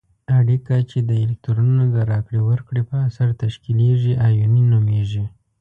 اړیکه چې د الکترونونو د راکړې ورکړې په اثر تشکیلیږي آیوني نومیږي.